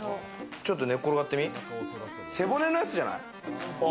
ちょっと寝転がってみ、背骨のやつじゃない？